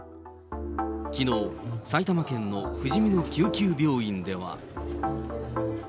きのう、埼玉県のふじみの救急病院では。